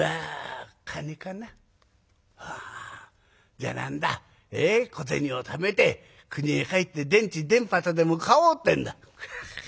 じゃ何だ小銭をためて国へ帰って田地田畑でも買おうってんだ」。